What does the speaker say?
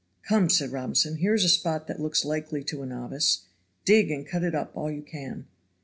"Come," said Robinson, "here is a spot that looks likely to a novice; dig and cut it up all you can."